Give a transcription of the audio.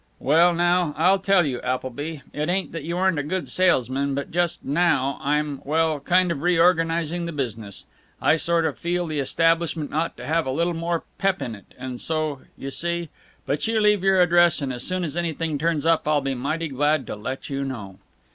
"Well, now, I'll tell you, Appleby; it ain't that you aren't a good salesman, but just now I'm well, kind of reorganizing the business. I sort of feel the establishment ought to have a little more pep in it, and so You see But you leave your address and as soon as anything turns up I'll be mighty glad to let you know."